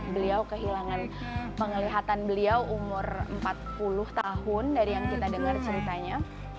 beliau kehilangan penglihatan beliau umur empat puluh tahun dari yang kita dengar ceritanya